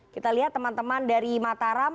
kita lihat teman teman dari mataram